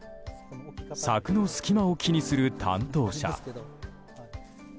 柵の隙間を気にする担当者。